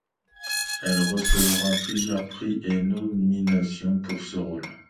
Elle recevra plusieurs prix et nominations pour ce rôle.